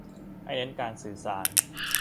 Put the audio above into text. ให้เน้นการสื่อสาร